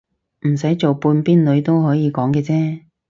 唔使做半邊女都可以講嘅啫